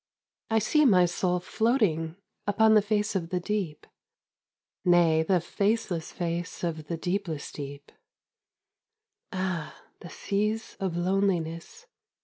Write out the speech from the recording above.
I see my soul floating upon the face of the deep, nay the face less face of the deepless deep — Ah, the Seas of Loneliness